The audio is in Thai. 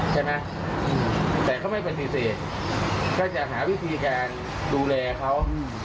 ใช่ไหมแต่เขาไม่ปฏิเสธก็จะหาวิธีการดูแลเขา